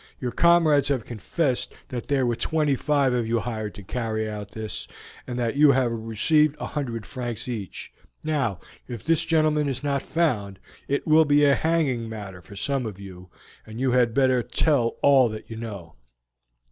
"Your comrades have confessed that there were twenty five of you hired to carry out this, and that you received a hundred francs each. Now, if this gentleman is not found, it will be a hanging matter for some of you, and you had better tell all you know.